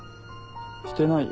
してないよ。